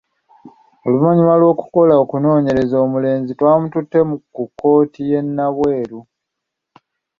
Oluvanyuma lw'okukola okunoonyereza omulenzi twamututte ku kkooti y'e Nabweru.